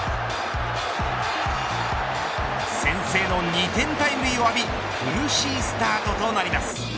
先制の２点タイムリーを浴び苦しいスタートとなります。